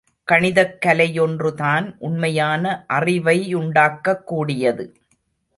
கணிதக் கலையொன்றுதான் உண்மையான அறிவையுண்டாக்கக் கூடியது.